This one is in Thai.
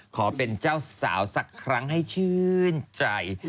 ขอเป็นเจ้าสาวสักครั้งให้ชื่นใจ